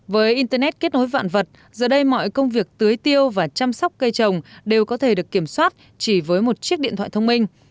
với internet kết nối vạn vật giờ đây mọi công việc tưới tiêu và chăm sóc cây trồng đều có thể được kiểm soát chỉ với một chiếc điện thoại thông minh